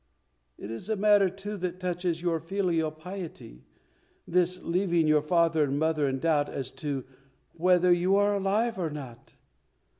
It is a matter, too, that touches your filial piety, this leaving your father and mother in doubt as to whether you are alive or not.